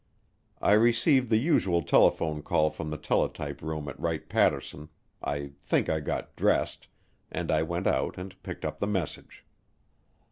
I received the usual telephone call from the teletype room at Wright Patterson, I think I got dressed, and I went out and picked up the message.